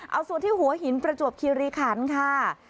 เอาส่วนที่หัวหินประจวบคิริขันค่ะ